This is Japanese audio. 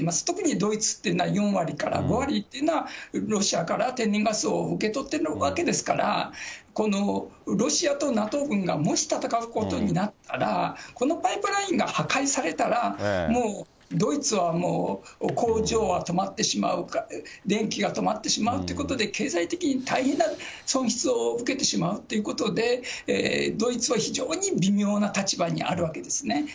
特にドイツっていうのは、４割から５割っていうのはロシアから天然ガスを受け取っているわけですから、ロシアとＮＡＴＯ軍がもし戦うことになったら、このパイプラインが破壊されたら、もうドイツはもう、工場は止まってしまう、電気が止まってしまうということで、経済的に大変な損失を受けてしまうっていうことで、ドイツは非常に微妙な立場にあるわけですね。